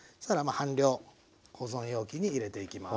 半量保存容器に入れていきます。